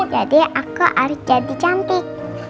jadi aku harus jadi cantik